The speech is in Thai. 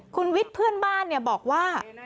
คุณวิทย์เพื่อนบ้านบอกว่า